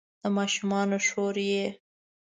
د ماشومانو شور یې